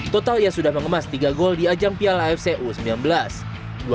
total ia sudah mengemas tiga gol di ajang piala afc u sembilan belas